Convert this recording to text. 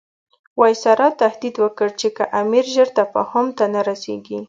وایسرا تهدید وکړ چې که امیر ژر تفاهم ته نه رسیږي.